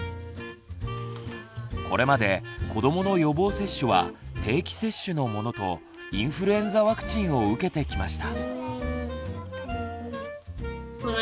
これまで子どもの予防接種は定期接種のものとインフルエンザワクチンを受けてきました。